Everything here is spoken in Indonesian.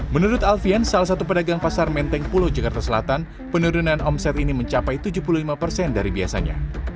menurut alfian salah satu pedagang pasar menteng pulau jakarta selatan penurunan omset ini mencapai tujuh puluh lima persen dari biasanya